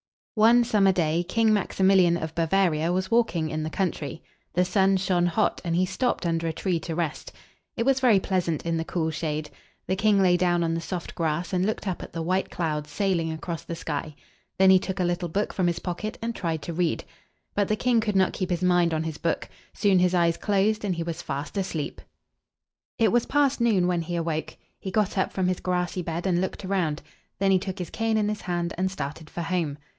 One summer day King Max i mil´ian of Ba va´ri a was walking in the country. The sun shone hot, and he stopped under a tree to rest. It was very pleasant in the cool shade. The king lay down on the soft grass, and looked up at the white clouds sailing across the sky. Then he took a little book from his pocket and tried to read. But the king could not keep his mind on his book. Soon his eyes closed, and he was fast asleep. It was past noon when he awoke. He got up from his grassy bed, and looked around. Then he took his cane in his hand, and started for home.